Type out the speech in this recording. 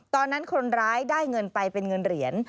ตอนนั้นคนร้ายได้เงินไปเป็นเงินเหรียญ